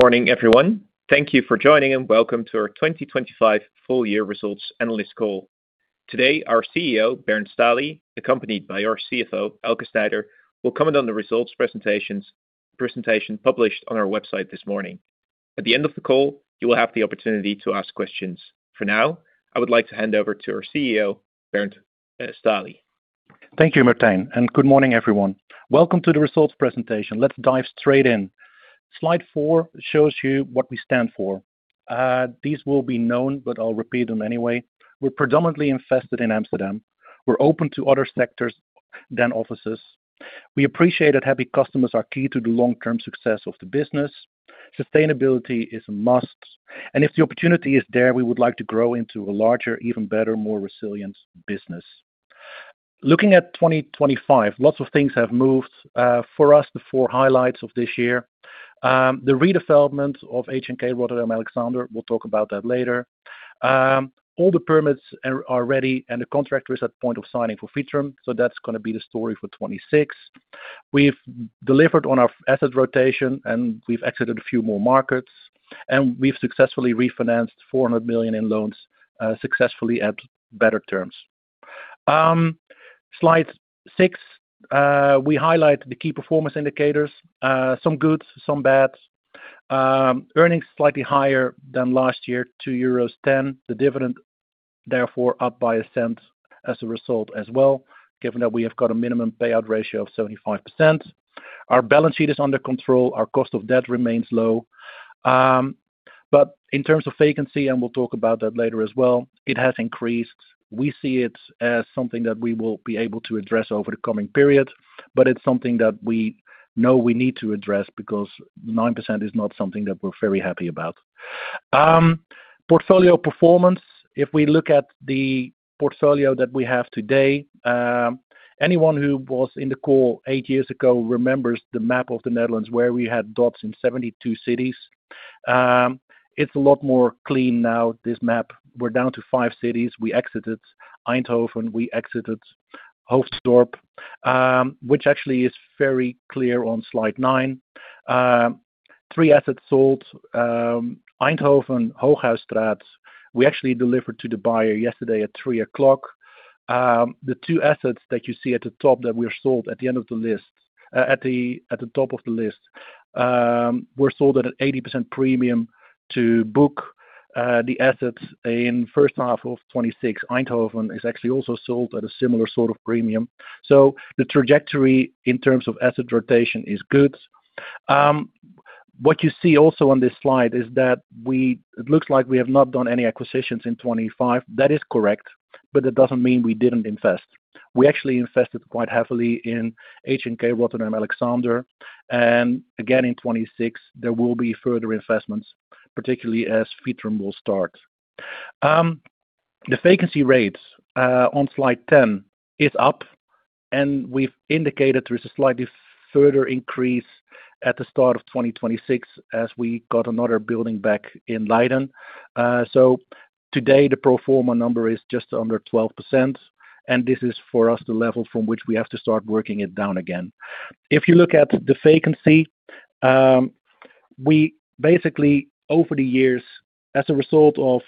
Good morning, everyone. Thank you for joining and welcome to our 2025 full year results analyst call. Today, our CEO, Bernd Stahli, accompanied by our CFO, Elke Snijder, will comment on the results presentation published on our website this morning. At the end of the call, you will have the opportunity to ask questions. For now, I would like to hand over to our CEO, Bernd Stahli. Thank you, Martijn, and good morning, everyone. Welcome to the results presentation. Let's dive straight in. Slide 4 shows you what we stand for. These will be known, but I'll repeat them anyway. We're predominantly invested in Amsterdam. We're open to other sectors than offices. We appreciate that happy customers are key to the long-term success of the business. Sustainability is a must, and if the opportunity is there, we would like to grow into a larger, even better, more resilient business. Looking at 2025, lots of things have moved. For us, the 4 highlights of this year, the redevelopment of HNK Rotterdam Alexander, we'll talk about that later. All the permits are ready, and the contractor is at point of signing for Vitrum, so that's gonna be the story for 2026. We've delivered on our asset rotation, and we've exited a few more markets, and we've successfully refinanced 400 million in loans, successfully at better terms. Slide 6, we highlight the key performance indicators, some goods, some bads. Earnings slightly higher than last year, €2.10. The dividend, therefore, up by €0.01 as a result as well, given that we have got a minimum payout ratio of 75%. Our balance sheet is under control, our cost of debt remains low. But in terms of vacancy, and we'll talk about that later as well, it has increased. We see it as something that we will be able to address over the coming period, but it's something that we know we need to address because 9% is not something that we're very happy about. Portfolio performance. If we look at the portfolio that we have today, anyone who was in the call eight years ago remembers the map of the Netherlands, where we had dots in 72 cities. It's a lot more clean now, this map. We're down to five cities. We exited Eindhoven, we exited Hoofddorp, which actually is very clear on slide 9. Three assets sold, Eindhoven, Hoogstraat. We actually delivered to the buyer yesterday at 3:00 P.M. The two assets that you see at the top that were sold at the end of the list, at the top of the list, were sold at an 80% premium to book, the assets in first half of 2026. Eindhoven is actually also sold at a similar sort of premium. So the trajectory in terms of asset rotation is good. What you see also on this slide is that it looks like we have not done any acquisitions in 2025. That is correct, but that doesn't mean we didn't invest. We actually invested quite heavily in HNK Rotterdam Alexander, and again, in 2026, there will be further investments, particularly as Vitrum will start. The vacancy rates on slide 10 is up, and we've indicated there is a slightly further increase at the start of 2026 as we got another building back in Leiden. So today, the pro forma number is just under 12%, and this is for us, the level from which we have to start working it down again. If you look at the vacancy, we basically, over the years, as a result of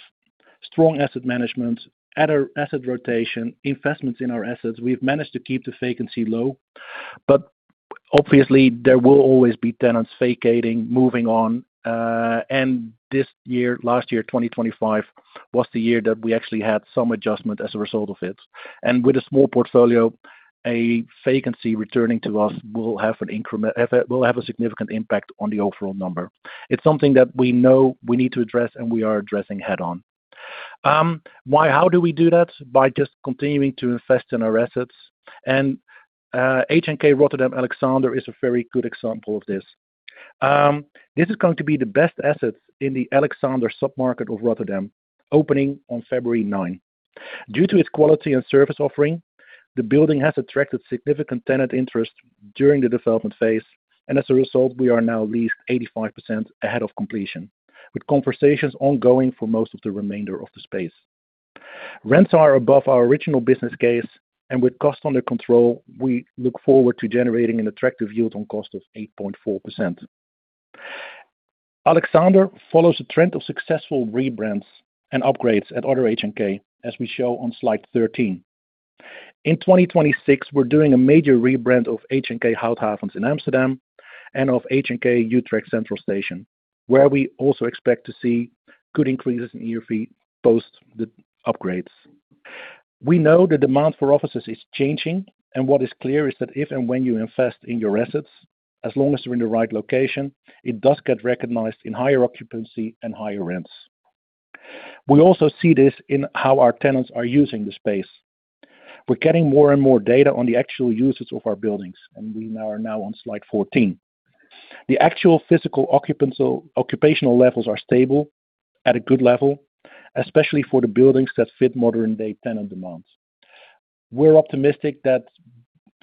strong asset management, asset rotation, investments in our assets, we've managed to keep the vacancy low, but obviously, there will always be tenants vacating, moving on, and this year, last year, 2025, was the year that we actually had some adjustment as a result of it. With a small portfolio, a vacancy returning to us will have a significant impact on the overall number. It's something that we know we need to address, and we are addressing head-on. How do we do that? By just continuing to invest in our assets, and HNK Rotterdam Alexander is a very good example of this. This is going to be the best asset in the Alexander submarket of Rotterdam, opening on February 9. Due to its quality and service offering, the building has attracted significant tenant interest during the development phase, and as a result, we are now leased 85% ahead of completion, with conversations ongoing for most of the remainder of the space. Rents are above our original business case, and with costs under control, we look forward to generating an attractive yield on cost of 8.4%. Alexander follows a trend of successful rebrands and upgrades at other HNK, as we show on slide 13. In 2026, we're doing a major rebrand of HNK Houthavens in Amsterdam and of HNK Utrecht Centraal Station, where we also expect to see good increases in year fee post the upgrades. We know the demand for offices is changing, and what is clear is that if and when you invest in your assets, as long as they're in the right location, it does get recognized in higher occupancy and higher rents. We also see this in how our tenants are using the space. We're getting more and more data on the actual uses of our buildings, and we now are on slide 14. The actual physical occupancy, occupancy levels are stable at a good level, especially for the buildings that fit modern-day tenant demands. We're optimistic that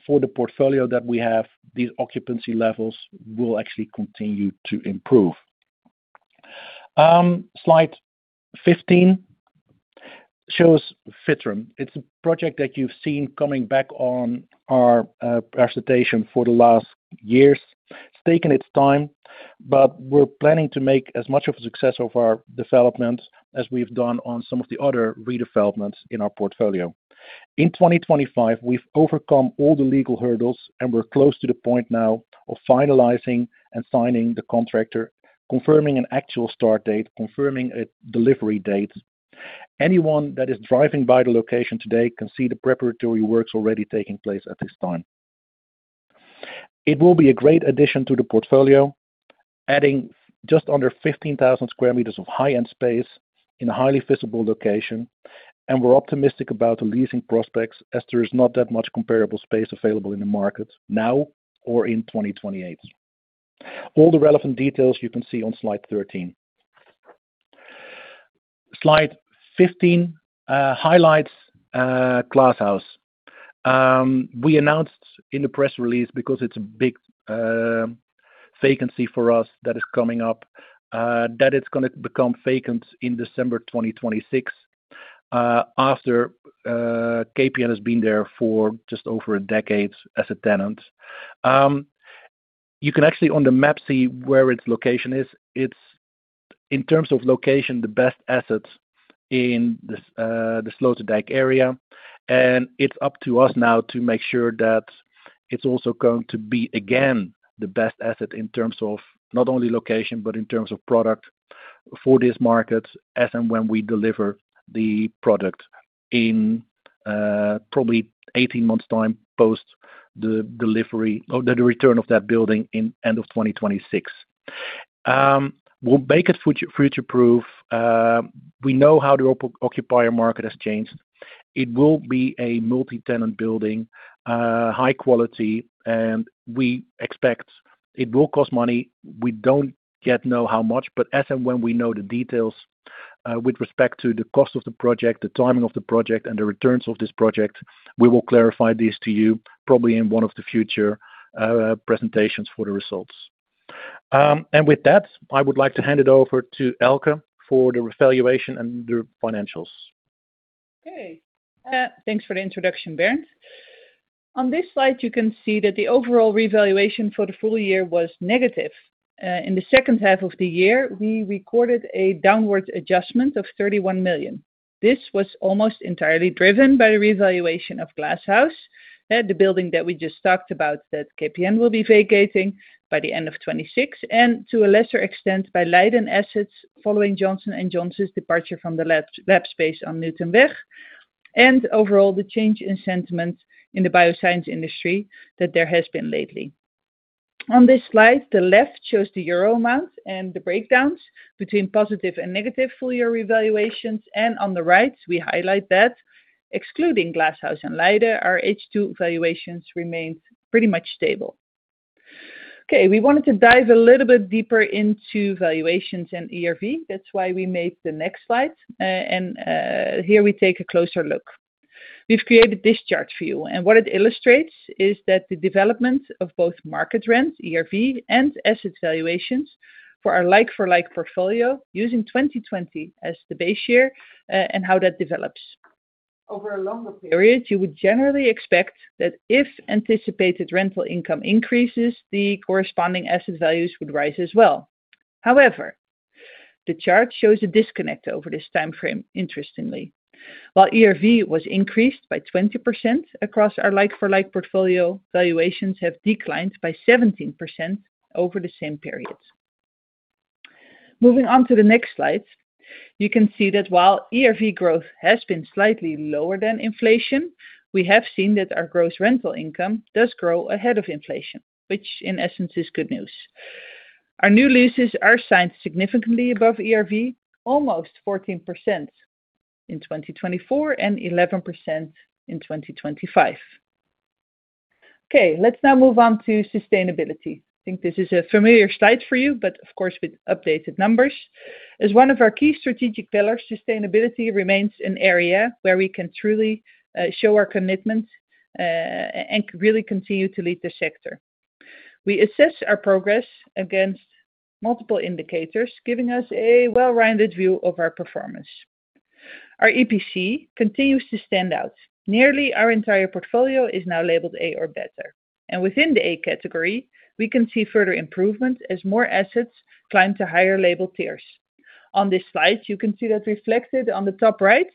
for the portfolio that we have, these occupancy levels will actually continue to improve. Slide 15 shows Vitrum. It's a project that you've seen coming back on our presentation for the last years. It's taken its time, but we're planning to make as much of a success of our development as we've done on some of the other redevelopments in our portfolio. In 2025, we've overcome all the legal hurdles, and we're close to the point now of finalizing and signing the contractor, confirming an actual start date, confirming a delivery date. Anyone that is driving by the location today can see the preparatory works already taking place at this time. It will be a great addition to the portfolio, adding just under 15,000 square meters of high-end space in a highly visible location, and we're optimistic about the leasing prospects as there is not that much comparable space available in the market now or in 2028. All the relevant details you can see on slide 13. Slide 15 highlights Glass House. We announced in the press release because it's a big vacancy for us that is coming up, that it's gonna become vacant in December 2026, after KPN has been there for just over a decade as a tenant. You can actually, on the map, see where its location is. It's... In terms of location, the best asset in the Sloterdijk area, and it's up to us now to make sure that it's also going to be, again, the best asset in terms of not only location, but in terms of product for this market, as and when we deliver the product in, probably 18 months' time, post the delivery or the return of that building in end of 2026. We'll make it future-proof. We know how the occupier market has changed. It will be a multi-tenant building, high quality, and we expect it will cost money. We don't yet know how much, but as and when we know the details, with respect to the cost of the project, the timing of the project, and the returns of this project, we will clarify these to you, probably in one of the future presentations for the results. And with that, I would like to hand it over to Elke for the revaluation and the financials. Okay, thanks for the introduction, Bernd. On this slide, you can see that the overall revaluation for the full year was negative. In the second half of the year, we recorded a downward adjustment of 31 million. This was almost entirely driven by the revaluation of Glass House, the building that we just talked about, that KPN will be vacating by the end of 2026, and to a lesser extent, by Leiden assets, following Johnson & Johnson's departure from the lab space on Newtonweg, and overall, the change in sentiment in the bioscience industry that there has been lately. On this slide, the left shows the euro amount and the breakdowns between positive and negative full year revaluations, and on the right, we highlight that excluding Glass House and Leiden, our H2 valuations remained pretty much stable. Okay, we wanted to dive a little bit deeper into valuations and ERV. That's why we made the next slide. Here we take a closer look. We've created this chart for you, and what it illustrates is that the development of both market rent, ERV, and asset valuations for our like-for-like portfolio, using 2020 as the base year, and how that develops. Over a longer period, you would generally expect that if anticipated rental income increases, the corresponding asset values would rise as well. However, the chart shows a disconnect over this timeframe, interestingly. While ERV was increased by 20% across our like-for-like portfolio, valuations have declined by 17% over the same period. Moving on to the next slide, you can see that while ERV growth has been slightly lower than inflation, we have seen that our gross rental income does grow ahead of inflation, which in essence, is good news. Our new leases are signed significantly above ERV, almost 14% in 2024 and 11% in 2025. Okay, let's now move on to sustainability. I think this is a familiar slide for you, but of course, with updated numbers. As one of our key strategic pillars, sustainability remains an area where we can truly show our commitment, and really continue to lead the sector. We assess our progress against multiple indicators, giving us a well-rounded view of our performance. Our EPC continues to stand out. Nearly our entire portfolio is now labeled A or better, and within the A category, we can see further improvement as more assets climb to higher label tiers. On this slide, you can see that reflected on the top right,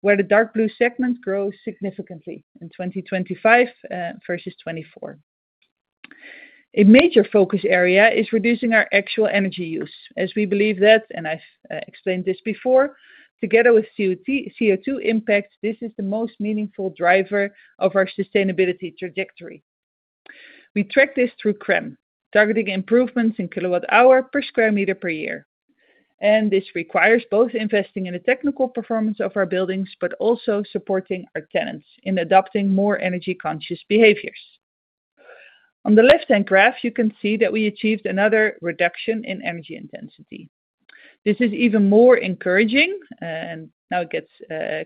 where the dark blue segment grows significantly in 2025 versus 2024. A major focus area is reducing our actual energy use, as we believe that, and I've explained this before, together with CO2 impact, this is the most meaningful driver of our sustainability trajectory. We track this through CRREM, targeting improvements in kilowatt hour per square meter per year. This requires both investing in the technical performance of our buildings, but also supporting our tenants in adopting more energy-conscious behaviors. On the left-hand graph, you can see that we achieved another reduction in energy intensity. This is even more encouraging, and now it gets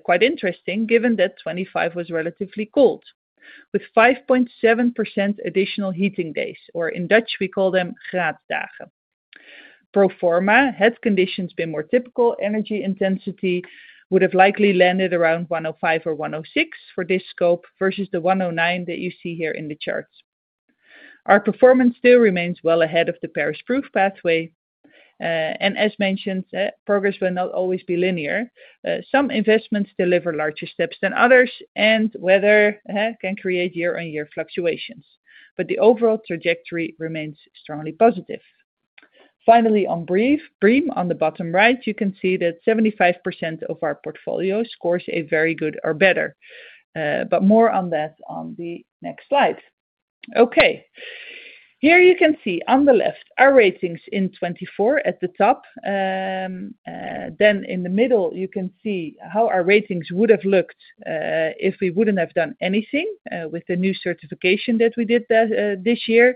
quite interesting, given that 2025 was relatively cold, with 5.7% additional heating days, or in Dutch, we call them pro forma, had conditions been more typical, energy intensity would have likely landed around 105 or 106 for this scope, versus the 109 that you see here in the charts. Our performance still remains well ahead of the Paris Proof pathway. And as mentioned, progress will not always be linear. Some investments deliver larger steps than others, and weather can create year-on-year fluctuations, but the overall trajectory remains strongly positive. Finally, on brief, BREEAM, on the bottom right, you can see that 75% of our portfolio scores a very good or better, but more on that on the next slide. Okay, here you can see on the left, our ratings in 2024 at the top. Then in the middle, you can see how our ratings would have looked, if we wouldn't have done anything, with the new certification that we did, this year.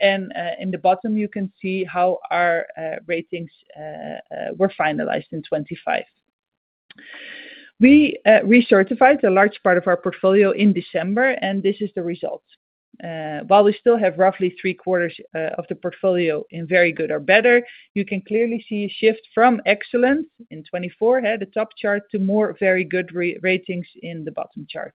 In the bottom, you can see how our ratings were finalized in 2025. We recertified a large part of our portfolio in December, and this is the result. While we still have roughly three quarters of the portfolio in very good or better, you can clearly see a shift from excellent in 2024, at the top chart, to more very good re-ratings in the bottom chart.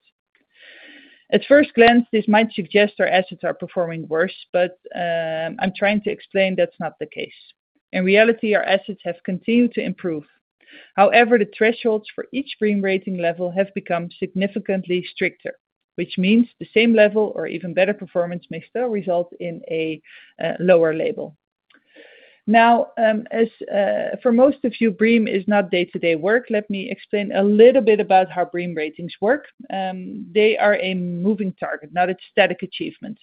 At first glance, this might suggest our assets are performing worse, but I'm trying to explain that's not the case. In reality, our assets have continued to improve. However, the thresholds for each BREEAM rating level have become significantly stricter, which means the same level or even better performance may still result in a lower label. Now, as for most of you, BREEAM is not day-to-day work. Let me explain a little bit about how BREEAM ratings work. They are a moving target, not a static achievement.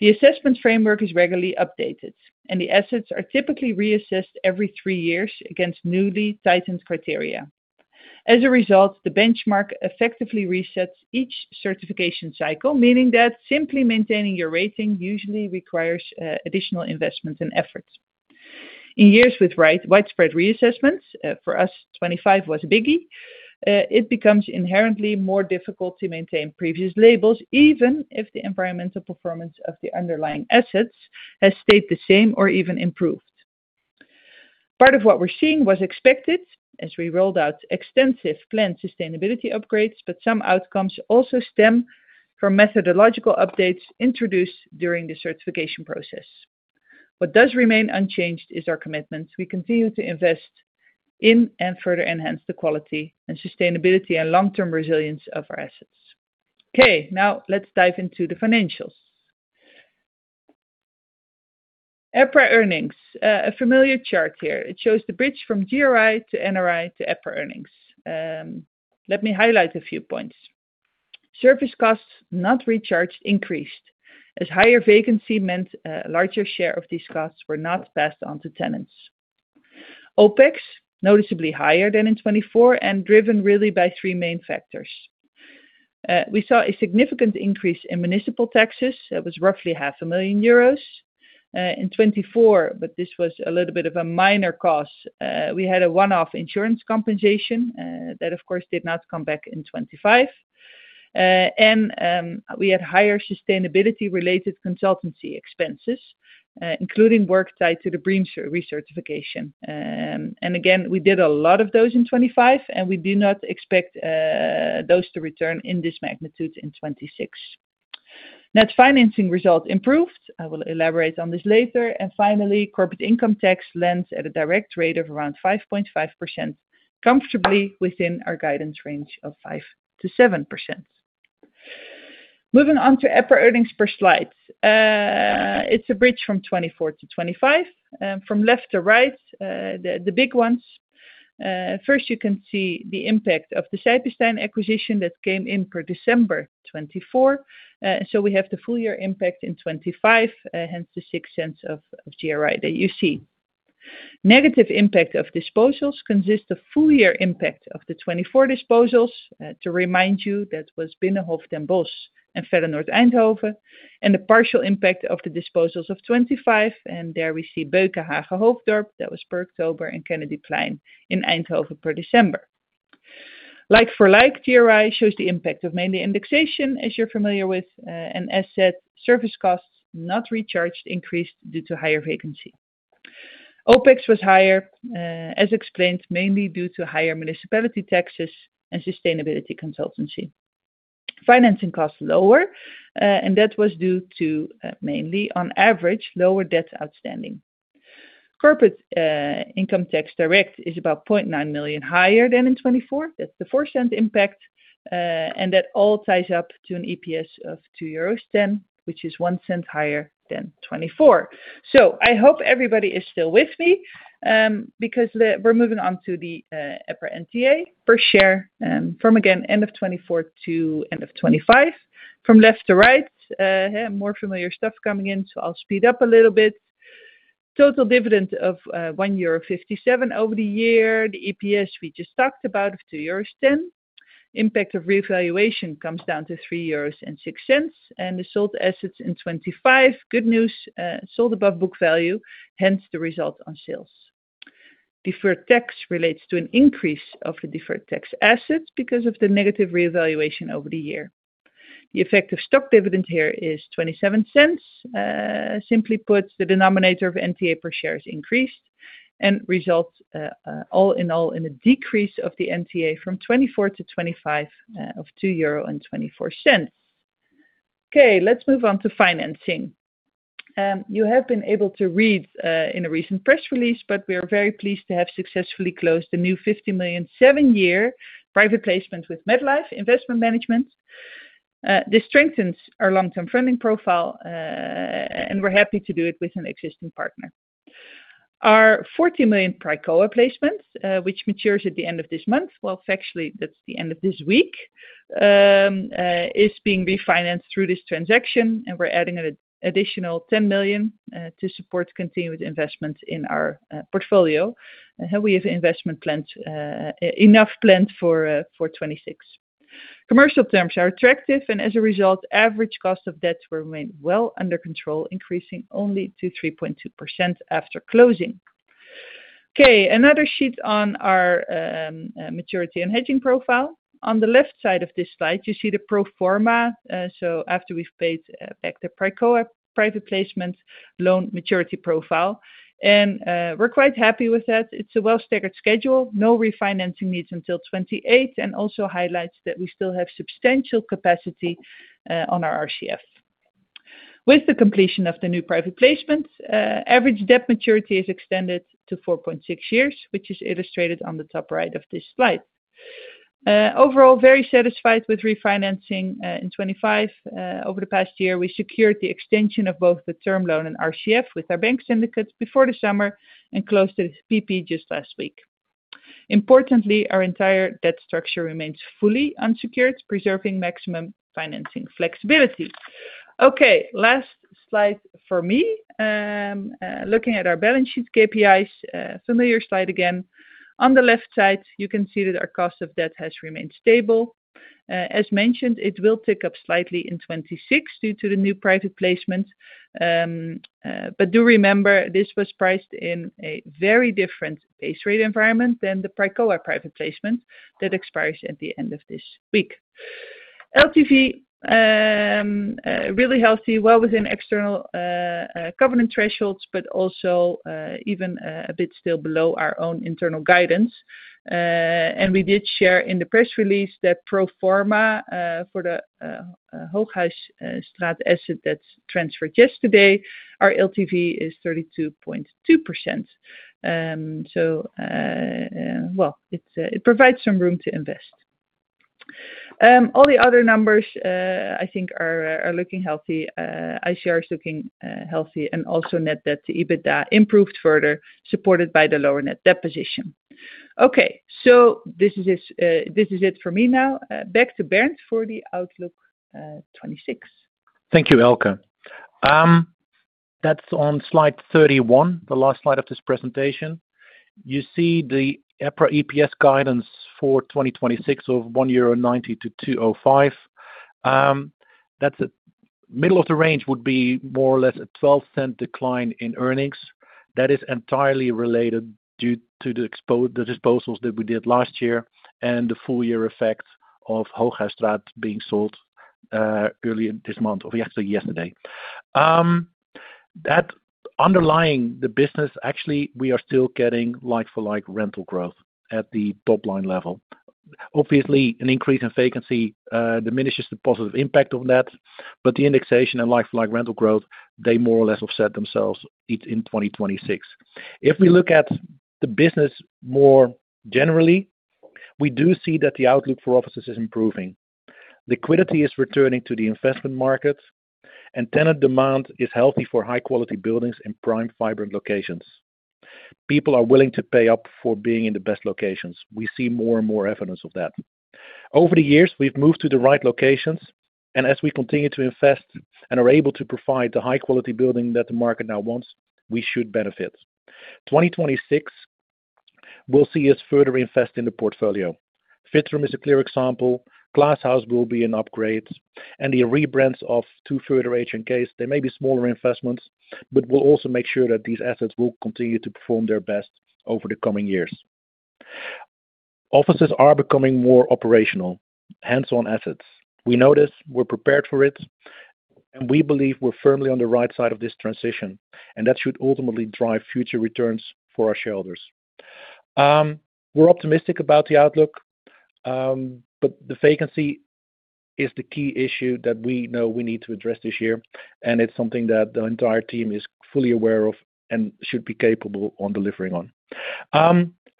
The assessment framework is regularly updated, and the assets are typically reassessed every three years against newly tightened criteria. As a result, the benchmark effectively resets each certification cycle, meaning that simply maintaining your rating usually requires additional investment and effort. In years with wide, widespread reassessments, for us, 2025 was a biggie, it becomes inherently more difficult to maintain previous labels, even if the environmental performance of the underlying assets has stayed the same or even improved. Part of what we're seeing was expected as we rolled out extensive planned sustainability upgrades, but some outcomes also stem from methodological updates introduced during the certification process. What does remain unchanged is our commitment. We continue to invest in and further enhance the quality and sustainability and long-term resilience of our assets. Okay, now let's dive into the financials. EPRA earnings. A familiar chart here. It shows the bridge from GRI to NRI to EPRA earnings. Let me highlight a few points. Service costs not recharged, increased, as higher vacancy meant a larger share of these costs were not passed on to tenants. OPEX, noticeably higher than in 2024 and driven really by three main factors. We saw a significant increase in municipal taxes. That was roughly 500,000 euros in 2024, but this was a little bit of a minor cost. We had a one-off insurance compensation, that, of course, did not come back in 2025. And, we had higher sustainability related consultancy expenses, including work tied to the BREEAM recertification. And again, we did a lot of those in 2025, and we do not expect, those to return in this magnitude in 2026. Net financing result improved. I will elaborate on this later. And finally, corporate income tax lands at a direct rate of around 5.5%, comfortably within our guidance range of 5%-7%. Moving on to EPRA earnings per share. It's a bridge from 2024 to 2025. From left to right, the big ones. First, you can see the impact of the Sijpesteijn acquisition that came in per December 2024. So we have the full year impact in 2025, hence the €0.06 of GRI that you see. Negative impact of disposals consist of full year impact of the 2024 disposals. To remind you, that was Binnenhof Den Bosch and Pellavoro Eindhoven, and the partial impact of the disposals of 2025, and there we see Beukenhage Hoofddorp, that was per October, and Kennedyplein in Eindhoven per December. Like for like, GRI shows the impact of mainly indexation, as you're familiar with, and asset service costs not recharged, increased due to higher vacancy. OPEX was higher, as explained, mainly due to higher municipality taxes and sustainability consultancy. Financing costs lower, and that was due to, mainly on average, lower debt outstanding. Corporate income tax direct is about 0.9 million higher than in 2024. That's the 0.04 impact, and that all ties up to an EPS of 2.10 euros, which is 0.01 higher than 2024. So I hope everybody is still with me, because the... We're moving on to the EPRA NTA per share, from, again, end of 2024 to end of 2025. From left to right, more familiar stuff coming in, so I'll speed up a little bit. Total dividend of 1.57 euro over the year. The EPS, we just talked about of 2.10 euros. Impact of revaluation comes down to 3.06 euros, and the sold assets in 2025. Good news, sold above book value, hence the result on sales. Deferred tax relates to an increase of the deferred tax assets because of the negative revaluation over the year. The effect of stock dividend here is €0.27. Simply put, the denominator of NTA per share is increased and results, all in all, in a decrease of the NTA from 2024 to 2025, of €2.24. Okay, let's move on to financing. You have been able to read, in a recent press release, but we are very pleased to have successfully closed the new €50 million, 7-year private placement with MetLife Investment Management. This strengthens our long-term funding profile, and we're happy to do it with an existing partner. Our 40 million Pricoa placement, which matures at the end of this month, actually, that's the end of this week, is being refinanced through this transaction, and we're adding an additional 10 million to support continued investment in our portfolio. We have investment plans enough planned for 26. Commercial terms are attractive and as a result, average cost of debts remain well under control, increasing only to 3.2% after closing. Okay, another sheet on our maturity and hedging profile. On the left side of this slide, you see the pro forma, so after we've paid back the Pricoa private placement loan maturity profile. We're quite happy with that. It's a well staggered schedule, no refinancing needs until 28, and also highlights that we still have substantial capacity on our RCF. With the completion of the new private placement, average debt maturity is extended to 4.6 years, which is illustrated on the top right of this slide. Overall, very satisfied with refinancing in 2025. Over the past year, we secured the extension of both the term loan and RCF with our bank syndicates before the summer and closed the PP just last week. Importantly, our entire debt structure remains fully unsecured, preserving maximum financing flexibility. Okay, last slide for me. Looking at our balance sheet KPIs, familiar slide again. On the left side, you can see that our cost of debt has remained stable. As mentioned, it will tick up slightly in 2026 due to the new private placement. But do remember, this was priced in a very different base rate environment than the Pricoa private placement that expires at the end of this week. LTV, really healthy, well within external, covenant thresholds, but also, even, a bit still below our own internal guidance. And we did share in the press release that pro forma, for the, Hoogstraat asset that's transferred yesterday, our LTV is 32.2%. So, well, it, it provides some room to invest. All the other numbers, I think are, are looking healthy. ICR is looking, healthy and also net debt to EBITDA improved further, supported by the lower net debt position. Okay, so this is, this is it for me now. Back to Bernd for the outlook, 2026. Thank you, Elke. That's on slide 31, the last slide of this presentation. You see the EPRA EPS guidance for 2026 of €1.90-€2.05. That's a... Middle of the range would be more or less a €0.12 decline in earnings. That is entirely related due to the disposals that we did last year and the full year effect of Hoogstraat being sold early in this month or actually yesterday. That underlying the business, actually, we are still getting like-for-like rental growth at the top line level. Obviously, an increase in vacancy diminishes the positive impact of that, but the indexation and like for like rental growth, they more or less offset themselves it in 2026. If we look at the business more generally, we do see that the outlook for offices is improving. Liquidity is returning to the investment markets, and tenant demand is healthy for high quality buildings in prime vibrant locations. People are willing to pay up for being in the best locations. We see more and more evidence of that. Over the years, we've moved to the right locations, and as we continue to invest and are able to provide the high quality building that the market now wants, we should benefit. 2026 will see us further invest in the portfolio. Vitrum is a clear example, Glass House will be an upgrade, and the rebrands of two further HNK cases, they may be smaller investments, but we'll also make sure that these assets will continue to perform their best over the coming years. Offices are becoming more operational, hands-on assets. We know this, we're prepared for it, and we believe we're firmly on the right side of this transition, and that should ultimately drive future returns for our shareholders. We're optimistic about the outlook, but the vacancy is the key issue that we know we need to address this year, and it's something that the entire team is fully aware of and should be capable on delivering on.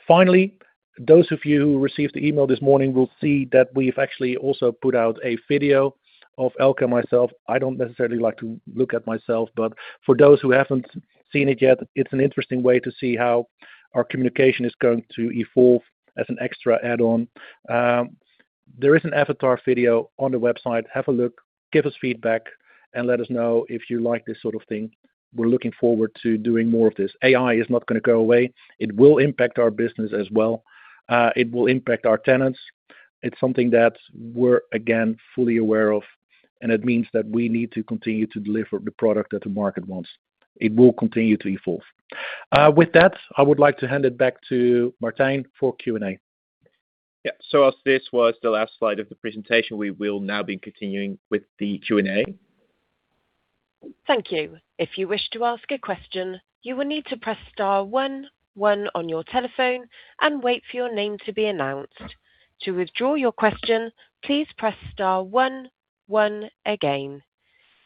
Finally, those of you who received the email this morning will see that we've actually also put out a video of Elke and myself. I don't necessarily like to look at myself, but for those who haven't seen it yet, it's an interesting way to see how our communication is going to evolve as an extra add-on. There is an avatar video on the website. Have a look, give us feedback, and let us know if you like this sort of thing. We're looking forward to doing more of this. AI is not gonna go away. It will impact our business as well. It will impact our tenants. It's something that we're, again, fully aware of, and it means that we need to continue to deliver the product that the market wants. It will continue to evolve. With that, I would like to hand it back to Martijn for Q&A. Yeah. So as this was the last slide of the presentation, we will now be continuing with the Q&A. Thank you. If you wish to ask a question, you will need to press star one one on your telephone and wait for your name to be announced. To withdraw your question, please press star one one again.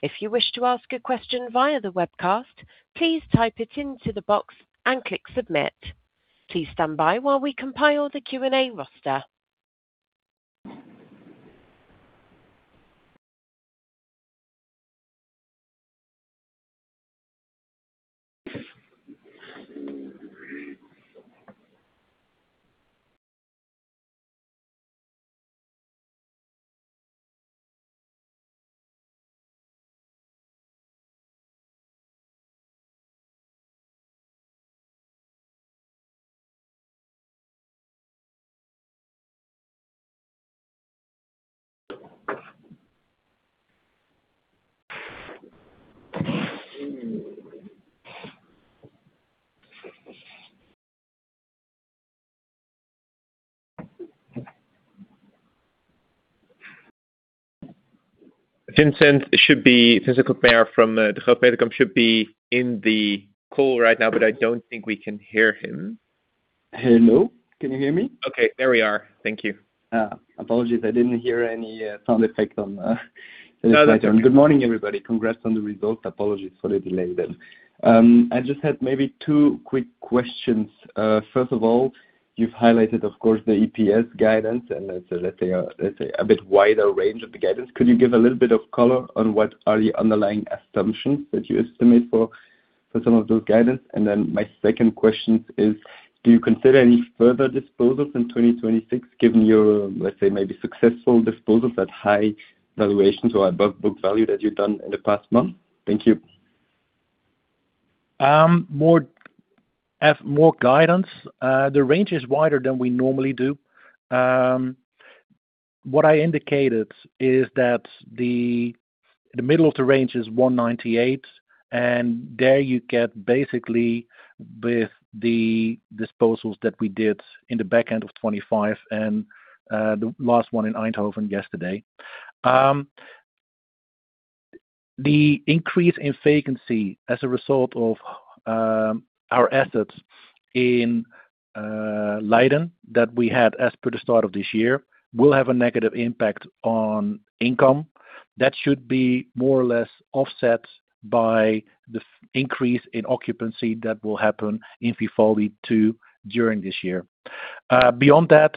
If you wish to ask a question via the webcast, please type it into the box and click Submit. Please stand by while we compile the Q&A roster. Vincent should be, Vincent Koppmair from Degroof Petercam should be in the call right now, but I don't think we can hear him. Hello. Can you hear me? Okay, there we are. Thank you. Apologies. I didn't hear any sound effect on. Good morning, everybody. Congrats on the results. Apologies for the delay then. I just had maybe two quick questions. First of all, you've highlighted, of course, the EPS guidance, and let's say, let's say a bit wider range of the guidance. Could you give a little bit of color on what are the underlying assumptions that you estimate for some of those guidance? And then my second question is, do you consider any further disposals in 2026, given your, let's say, maybe successful disposals at high valuations or above book value that you've done in the past month? Thank you. More guidance. The range is wider than we normally do. What I indicated is that the middle of the range is 198, and there you get basically with the disposals that we did in the back end of 2025 and the last one in Eindhoven yesterday. The increase in vacancy as a result of our assets in Leiden, that we had as per the start of this year, will have a negative impact on income. That should be more or less offset by the increase in occupancy that will happen in Vivaldi II, during this year. Beyond that,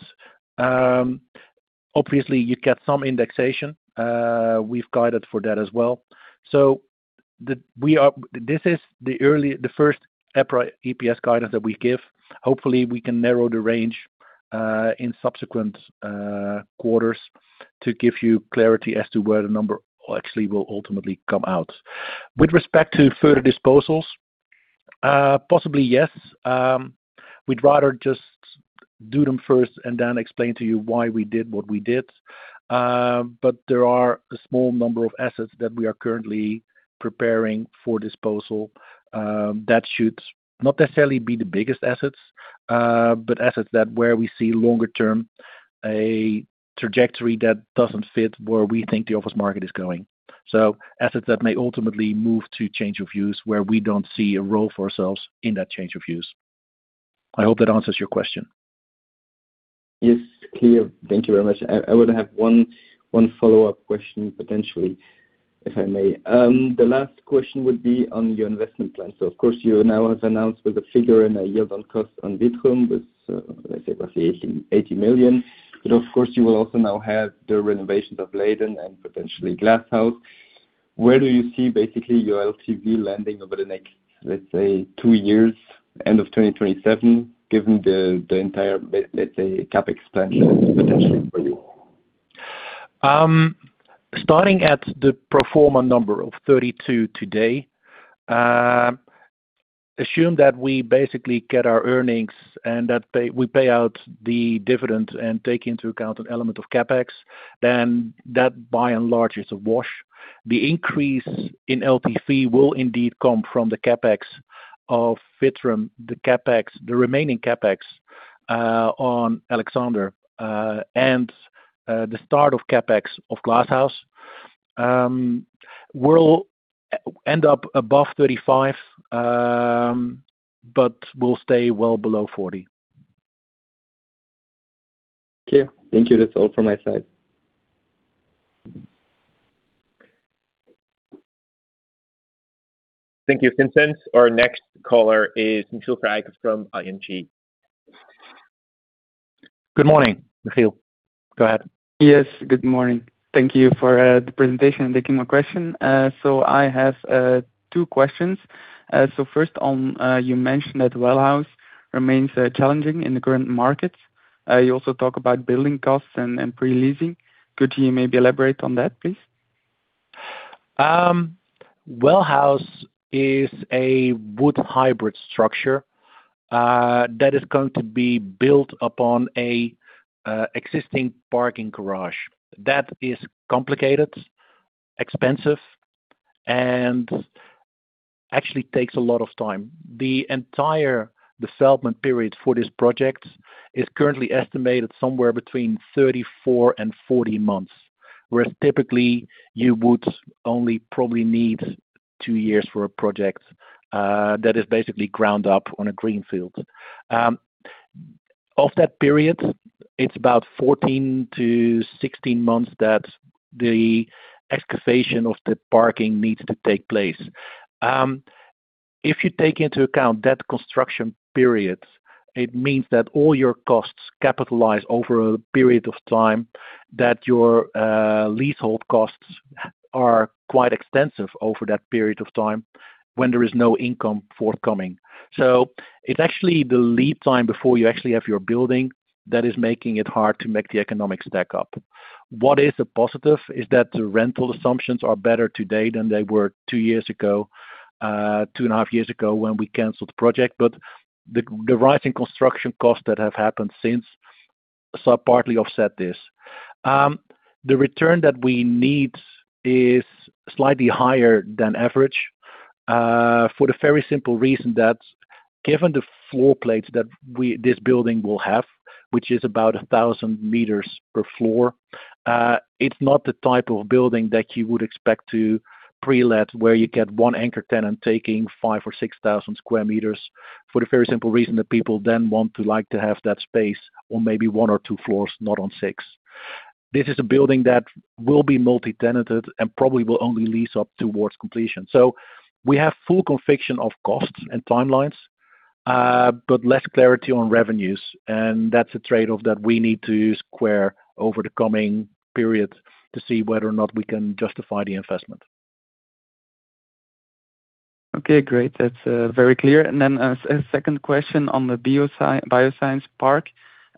obviously, you get some indexation. We've guided for that as well. So this is the early, the first EPRA EPS guidance that we give. Hopefully, we can narrow the range in subsequent quarters to give you clarity as to where the number actually will ultimately come out. With respect to further disposals, possibly, yes. We'd rather just do them first and then explain to you why we did what we did. But there are a small number of assets that we are currently preparing for disposal, that should not necessarily be the biggest assets, but assets that where we see longer term, a trajectory that doesn't fit where we think the office market is going. So assets that may ultimately move to change of use, where we don't see a role for ourselves in that change of use. I hope that answers your question. Yes, clear. Thank you very much. I would have one follow-up question, potentially, if I may. The last question would be on your investment plan. So of course, you now have announced with a figure and a yield on cost on Vitrum with, let's say roughly 80 million. But of course, you will also now have the renovations of Leiden and potentially Glass House. Where do you see basically your LTV landing over the next, let's say, two years, end of 2027, given the entire, let's say, CapEx expansion potentially for you? Starting at the pro forma number of 32 today, assume that we basically get our earnings and that pay, we pay out the dividend and take into account an element of CapEx, then that by and large is a wash. The increase in LTV will indeed come from the CapEx of Vitrum, the CapEx, the remaining CapEx on Alexander, and the start of CapEx of Glass House. We'll end up above 35, but we'll stay well below 40. Okay. Thank you. That's all from my side. Thank you, Vincent. Our next caller is Michiel Kraaijenbrink from ING. Good morning, Michiel. Go ahead. Yes, good morning. Thank you for the presentation and taking my question. So I have two questions. So first on, you mentioned that Well House remains challenging in the current market. You also talk about building costs and pre-leasing. Could you maybe elaborate on that, please? Well House is a wood hybrid structure, that is going to be built upon a, existing parking garage. That is complicated, expensive, and actually takes a lot of time. The entire development period for this project is currently estimated somewhere between 34 and 40 months, whereas typically you would only probably need two years for a project, that is basically ground up on a greenfield. Of that period, it's about 14-16 months that the excavation of the parking needs to take place. If you take into account that construction period, it means that all your costs capitalize over a period of time, that your, leasehold costs are quite extensive over that period of time when there is no income forthcoming. It's actually the lead time before you actually have your building that is making it hard to make the economics stack up. What is a positive is that the rental assumptions are better today than they were two years ago, two and a half years ago, when we canceled the project, but the rising construction costs that have happened since so partly offset this. The return that we need is slightly higher than average, for the very simple reason that given the floor plates that this building will have, which is about 1,000 meters per floor, it's not the type of building that you would expect to pre-let, where you get one anchor tenant taking 5,000 or 6,000 square meters, for the very simple reason that people then want to like to have that space, or maybe one or two floors, not on six. This is a building that will be multi-tenanted and probably will only lease up towards completion. So we have full conviction of costs and timelines, but less clarity on revenues, and that's a trade-off that we need to square over the coming period to see whether or not we can justify the investment. Okay, great. That's very clear. And then, a second question on the Bio Science Park.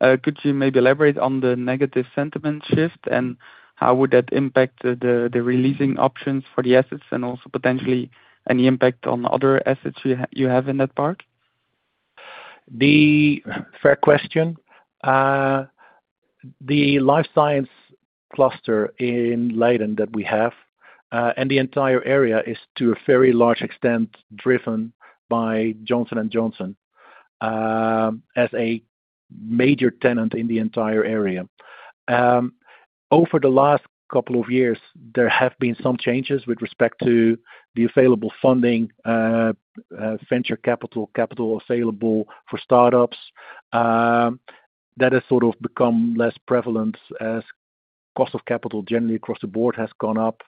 Could you maybe elaborate on the negative sentiment shift, and how would that impact the releasing options for the assets and also potentially any impact on other assets you have in that park? Fair question. The life science cluster in Leiden that we have, and the entire area is to a very large extent, driven by Johnson & Johnson, as a major tenant in the entire area. Over the last couple of years, there have been some changes with respect to the available funding, venture capital, capital available for startups. That has sort of become less prevalent as cost of capital generally across the board has gone up.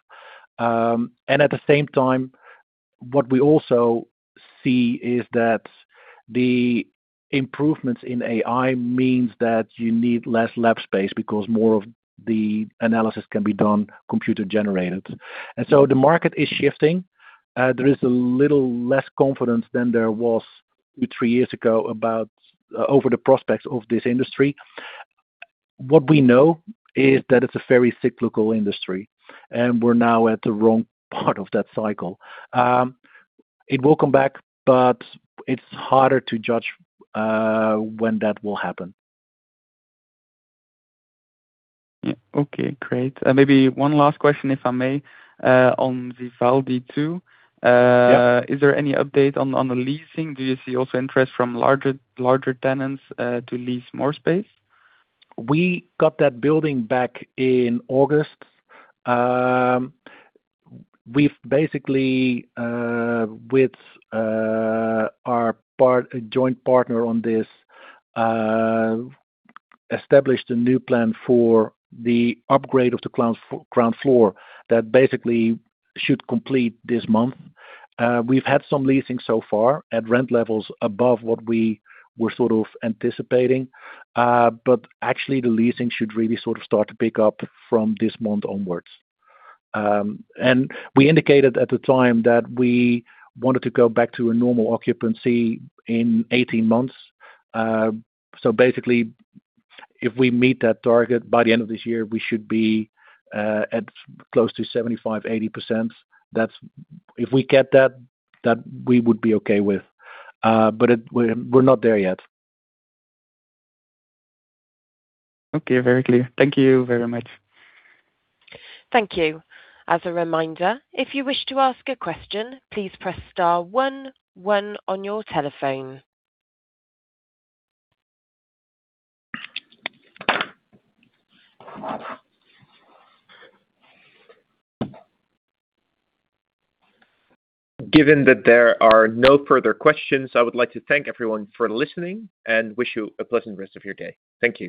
And at the same time, what we also see is that the improvements in AI means that you need less lab space, because more of the analysis can be done computer-generated. And so the market is shifting. There is a little less confidence than there was two, three years ago, about, over the prospects of this industry. What we know is that it's a very cyclical industry, and we're now at the wrong part of that cycle. It will come back, but it's harder to judge when that will happen. Yeah. Okay, great. And maybe one last question, if I may, on the Vivaldi II. Yeah. Is there any update on the leasing? Do you see also interest from larger tenants to lease more space? We got that building back in August. We've basically, with our partner, joint partner on this, established a new plan for the upgrade of the ground floor. That basically should complete this month. We've had some leasing so far at rent levels above what we were sort of anticipating. But actually the leasing should really sort of start to pick up from this month onwards. And we indicated at the time that we wanted to go back to a normal occupancy in 18 months. So basically, if we meet that target by the end of this year, we should be at close to 75%-80%. That's... If we get that, that we would be okay with, but it, we're, we're not there yet. Okay. Very clear. Thank you very much. Thank you. As a reminder, if you wish to ask a question, please press star one one on your telephone. Given that there are no further questions, I would like to thank everyone for listening, and wish you a pleasant rest of your day. Thank you.